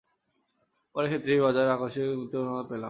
পথে খেতড়ির রাজার আকস্মিক মৃত্যুসংবাদ পেলাম।